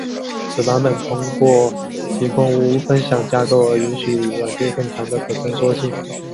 此版本通过提供无分享架构而允许软件更强的可伸缩性。